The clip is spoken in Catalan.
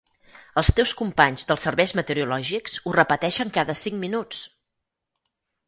Els teus companys dels serveis meteorològics ho repeteixen cada cinc minuts!